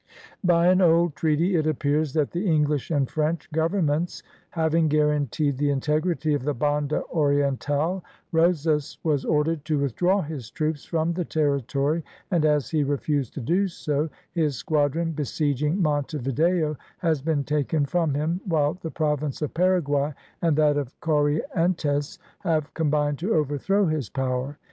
"By an old treaty it appears that the English and French governments having guaranteed the integrity of the Banda Oriental, Rosas was ordered to withdraw his troops from the territory, and as he refused to do so, his squadron besieging Monte Video has been taken from him, while the province of Paraguay, and that of Corrientes, have combined to overthrow his power.